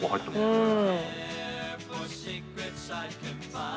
うん。